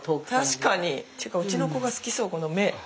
確かに！っていうかうちの子が好きそうこの目。